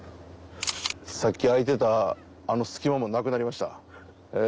さっきあいていたあの隙間もなくなりました。